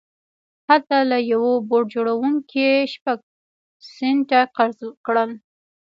هغه له يوه بوټ جوړوونکي شپږ سنټه قرض کړل.